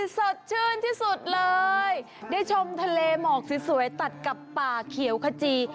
สดชื่นที่สุดเลยได้ชมทะเลหมอกสวยตัดกับป่าเขียวขจี